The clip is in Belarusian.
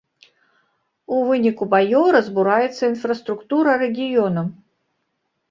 У выніку баёў разбураецца інфраструктура рэгіёну.